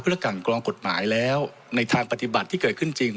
และกันกรองกฎหมายแล้วในทางปฏิบัติที่เกิดขึ้นจริง